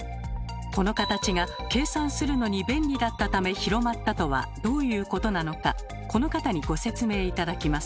この形が計算するのに便利だったため広まったとはどういうことなのかこの方にご説明頂きます。